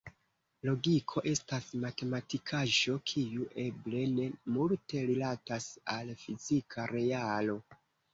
Logiko estas matematikaĵo, kiu eble ne multe rilatas al fizika realo.